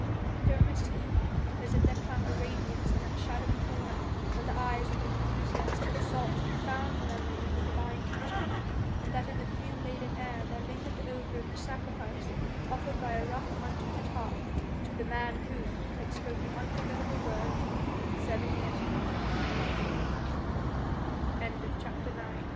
It almost seemed as if there clung a radiance in that shadowy corner where the eyes of an enthusiast had sought and found the memory of the Divine Teacher; and that in the fume laden air there lingered the odour of the sacrifice offered by a rough, untutored heart to the Man Who had spoken unforgettable words seven years ago in Galilee. CHAPT